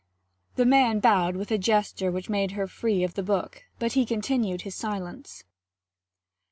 The man bowed with a gesture which made her free of the book, but he continued his silence.